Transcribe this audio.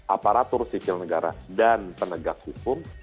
aparatur sipil negara dan penegak hukum